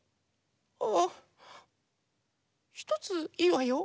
ああひとついいわよ。